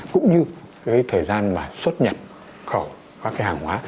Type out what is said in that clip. cũng như thời gian xuất nhận khẩu hàng hóa